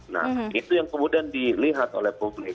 nah itu yang kemudian dilihat oleh publik